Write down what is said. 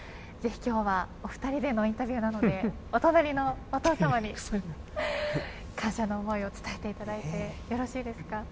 ぜひ今日はお二人でのインタビューなのでお隣のお父さまに感謝の思いを伝えていただいてよろしいですか？